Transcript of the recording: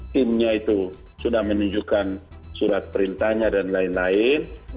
timnya itu sudah menunjukkan surat perintahnya dan lain lain